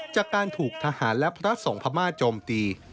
จากการถูกทหารและพระสงฆ์พม่าโจมตี